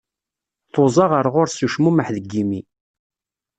Tuẓa ɣer ɣur-s s ucmumeḥ deg imi.